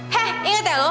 heh inget ya lo